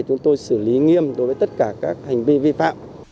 chúng tôi xử lý nghiêm đối với tất cả các hành vi vi phạm